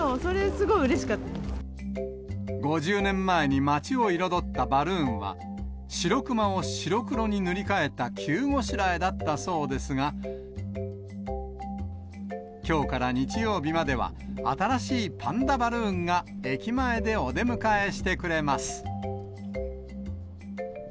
５０年前に街を彩ったバルーンは、シロクマを白黒に塗り替えた急ごしらえだったそうですが、きょうから日曜日までは、新しいパンダバルーンが駅前でお出迎えしてくれます。